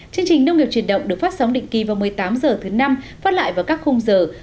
chương trình nông nghiệp truyền động được phát sóng định kỳ vào một mươi tám h thứ năm phát lại vào các khung giờ